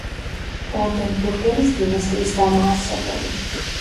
ოლდენბურგების დინასტიის დამაარსებელი.